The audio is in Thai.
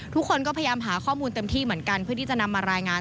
ทุกคนก็พยายามหาข้อมูลเต็มที่เหมือนกันเพื่อที่จะนำมารายงาน